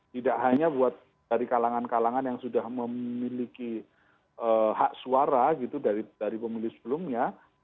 tidak hanya buat dari kalangan kalangan yang sudah memiliki hak suara gitu dari pemilih sebelumnya